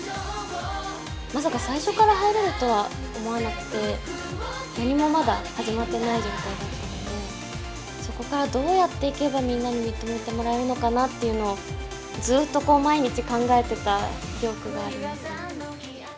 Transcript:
まさか最初から入れるとは思わなくて、何もまだ始まってない状態だったので、そこからどうやっていけばみんなに認めてもらえるのかなっていうのを、ずっと毎日、考えてた記憶がありますね。